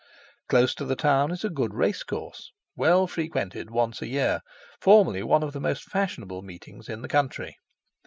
Close to the town is a good racecourse, well frequented once a year, formerly one of the most fashionable meetings in the country.